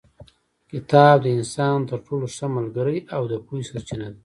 کتاب د انسان تر ټولو ښه ملګری او د پوهې سرچینه ده.